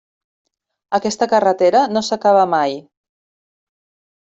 Aquesta carretera no s'acaba mai.